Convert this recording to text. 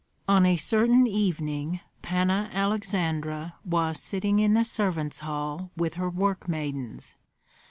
On a certain evening Panna Aleksandra was sitting in the servants' hall with her work maidens.